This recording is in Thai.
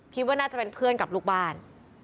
คิดว่าน่าจะเป็นเพื่อนกับลูกบ้าน